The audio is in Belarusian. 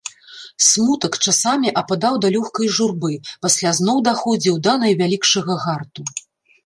Смутак часамі ападаў да лёгкай журбы, пасля зноў даходзіў да найвялікшага гарту.